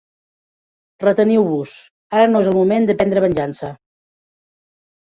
Reteniu-vos, ara no és el moment de prendre venjança.